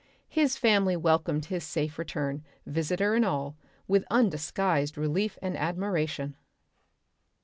His family welcomed his safe return, visitor and all, with undisguised relief and admiration.